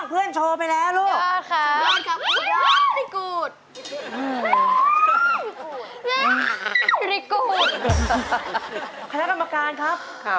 โปรดติดตามตอนต่อไป